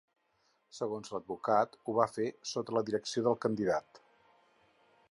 Segons l’advocat ho va fer ‘sota la direcció del candidat’.